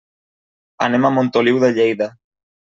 Anem a Montoliu de Lleida.